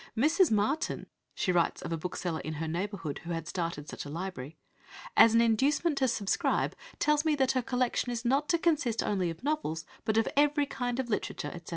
"Mrs. Martin," she writes of a bookseller in her neighbourhood who had started such a library, "as an inducement to subscribe tells me that her collection is not to consist only of novels, but of every kind of literature, etc.